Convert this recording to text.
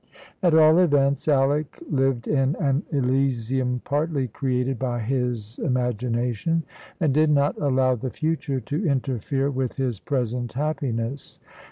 At all events, Alick lived in an elysium partly created by his imagination, and did not allow the future to interfere with his present happiness.